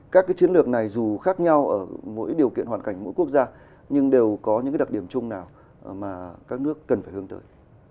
các cái chiến lược này dù khác nhau ở mỗi điều kiện hoàn cảnh mỗi quốc gia nhưng đều có những đặc điểm chung nào mà các nước cần phải hướng tới